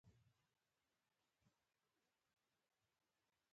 په لرغونې زمانه کې منظمې بندیخانې نه وې.